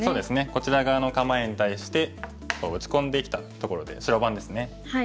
こちら側の構えに対してこう打ち込んできたところで白番ですね。